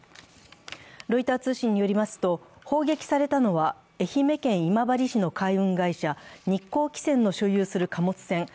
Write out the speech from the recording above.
ロイター通信によりますと、砲撃されたのは愛媛県今治市の海運会社、日興汽船の所有する貨物船